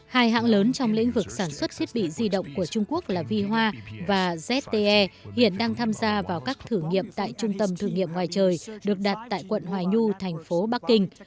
hai hãng lớn trong lĩnh vực sản xuất thiết bị di động của trung quốc là vi hoa và zte hiện đang tham gia vào các thử nghiệm tại trung tâm thử nghiệm ngoài trời được đặt tại quận hoài nhu thành phố bắc kinh